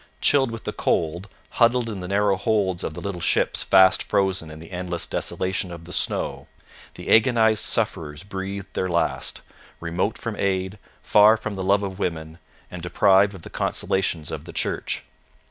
Chilled with the cold, huddled in the narrow holds of the little ships fast frozen in the endless desolation of the snow, the agonized sufferers breathed their last, remote from aid, far from the love of women, and deprived of the consolations of the Church.